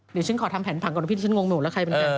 เดี๋ยวฉันขอทำแผนพังก่อนนะพี่ฉันงงไม่รู้แล้วใครเป็นใคร